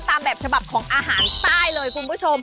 ตามแบบฉบับของอาหารใต้เลยคุณผู้ชม